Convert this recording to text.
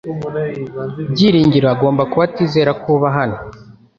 Byiringiro agomba kuba atizera ko uba hano .